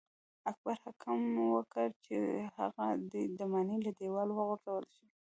اکبر حکم وکړ چې هغه دې د ماڼۍ له دیواله وغورځول شي.